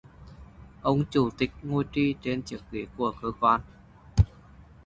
Ông chủ tịch ngồi trì trên chiếc ghế của cơ quan